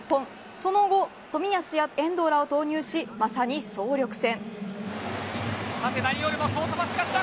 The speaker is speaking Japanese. その後、冨安や遠藤らを投入しまさに総力戦。